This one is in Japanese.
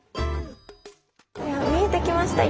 見えてきました。